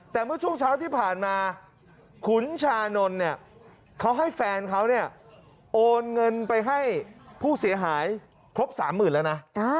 แต่เมื่อช่วงเช้าที่ผ่านมาขุนชานนท์เนี่ยเขาให้แฟนเขาเนี่ยโอนเงินไปให้ผู้เสียหายครบ๓๐๐๐แล้วนะ